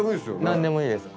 何でもいいです。